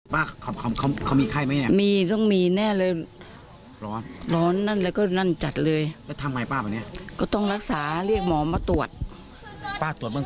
เป็นยังไงบ้าง